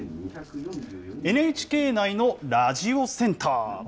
ＮＨＫ内のラジオセンター。